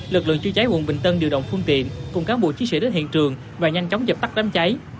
lực lượng chữa cháy quận bình tân điều động phương tiện cùng cán bộ chiến sĩ đến hiện trường và nhanh chóng dập tắt đám cháy